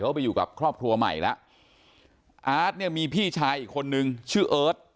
ไปอยู่กับครอบครัวใหม่แล้วอาร์ตเนี่ยมีพี่ชายอีกคนนึงชื่อเอิร์ท